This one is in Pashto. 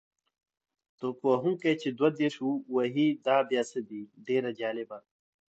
توپ وهونکی چې دوه دېرش وهي دا بیا څه دی؟ ډېر جالبه.